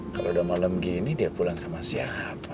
kalau udah malam gini dia pulang sama siapa